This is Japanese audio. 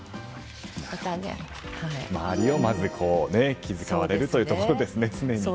常に周りを、まず気遣われるというところですね。